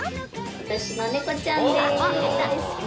私の猫ちゃんです。